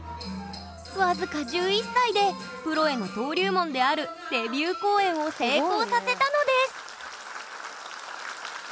僅か１１歳でプロへの登竜門であるデビュー公演を成功させたのです！